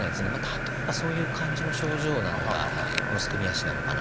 例えばそういう感じの症状なのがこのすくみ足なのかなというふうに。